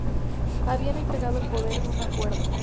Habían entregado el poder en un acuerdo.